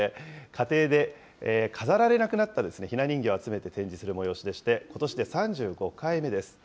家庭で飾られなくなったひな人形を集めて展示する催しでして、ことしで３５回目です。